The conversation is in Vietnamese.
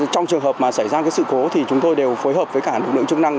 trong trường hợp xảy ra sự cố chúng tôi đều phối hợp với cả nữ chức năng